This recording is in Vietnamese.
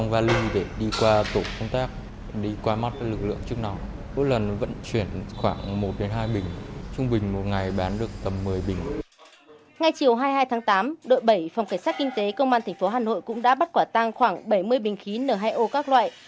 ngay chiều hai mươi hai tháng tám đội bảy phòng cảnh sát kinh tế công an tp hà nội cũng đã bắt quả tăng khoảng bảy mươi bình khí n hai o các loại